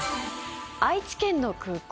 愛知県の空港。